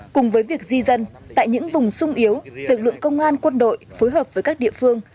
cùng với việc di dân tại những vùng sung yếu lực lượng công an quân đội phối hợp với các địa phương